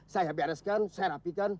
saya bereskan saya rapikan